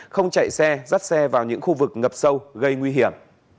không chạy xe rắt xe vào những khu vực ngập sâu gây nguy hiểm